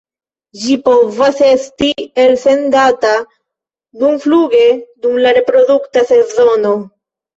Ĝi povas esti elsendata dumfluge dum la reprodukta sezono.